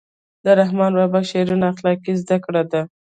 د رحمان بابا شعرونه اخلاقي زده کړه ده.